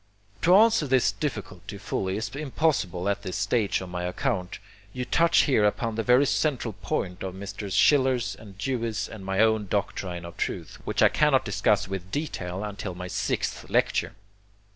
To answer this difficulty fully is impossible at this stage of my account. You touch here upon the very central point of Messrs. Schiller's, Dewey's and my own doctrine of truth, which I cannot discuss with detail until my sixth lecture.